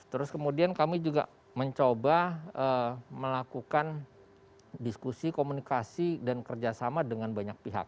terus kemudian kami juga mencoba melakukan diskusi komunikasi dan kerjasama dengan banyak pihak